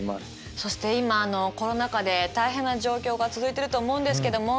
そして今コロナ禍で大変な状況が続いてると思うんですけども。